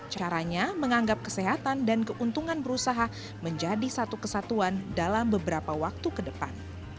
caranya menganggap kesehatan dan keuntungan berusaha menjadi satu kesatuan dalam beberapa waktu ke depan